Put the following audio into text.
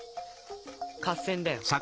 合戦だよ。